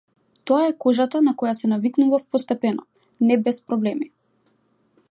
Тоа е кожата на која се навикнував постепено, не без проблеми.